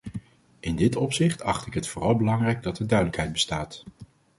In dit opzicht acht ik het vooral belangrijk dat er duidelijkheid bestaat.